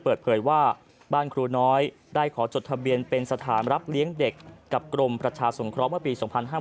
เปิดเผยว่าบ้านครูน้อยได้ขอจดทะเบียนเป็นสถานรับเลี้ยงเด็กกับกรมประชาสงเคราะห์เมื่อปี๒๕๕๙